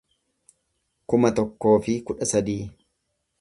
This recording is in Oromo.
kuma tokkoo fi kudha sadii